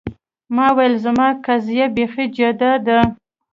ما ویل زما قضیه بیخي جدا ده.